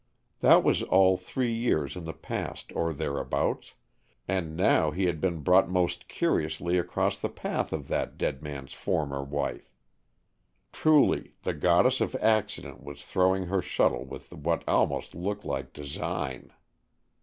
That was all three years in the past, or thereabouts, and now he had been brought most curiously across the path of that dead man's former wife. Truly, the Goddess of Accident was throwing her shuttle with what almost looked like design.